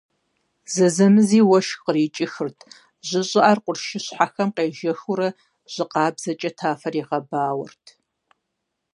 Зэзэмызи уэшх кърикӀыхырт, жьы щӀыӀэр къуршыщхьэхэм къежэхыурэ, жьы къабзэкӀэ тафэр игъэбауэрт.